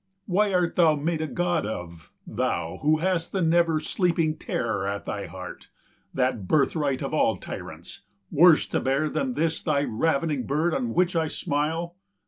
65 Why art thou made a god of, thou, who hast The never sleeping terror at thy heart, That birthright of all tyrants, worse to bear Than this thy ravening bird on which I smile?